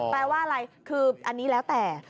แปลว่าอะไรคืออันนี้แล้วแต่